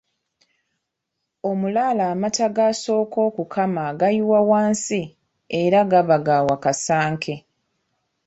Omulaalo amata g'asooka okukama agayiwa wansi era gaba ga wakasanke.